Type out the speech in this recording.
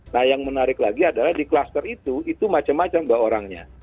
nah yang menarik lagi adalah di kluster itu itu macam macam bahwa orangnya